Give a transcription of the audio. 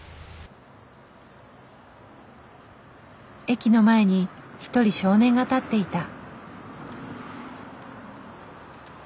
駅の前に一人少年が立っていた。